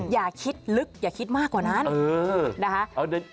อย่าคิดลึกอย่าคิดมากกว่านั้นนะคะ